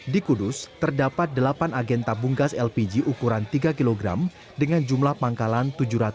di kudus terdapat delapan agen tabung gas lpg ukuran tiga kilogram dengan jumlah pangkalan tujuh ratus lima puluh dua